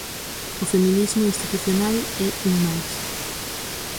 O feminismo institucional é un máis.